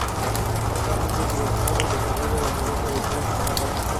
Actualmente es Director de Desarrollo de Negocio en Tesla Motors.